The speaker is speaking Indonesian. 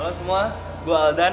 halo semua gue aldan